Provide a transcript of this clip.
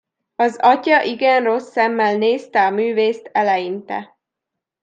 Az atya igen rossz szemmel nézte a művészt eleinte.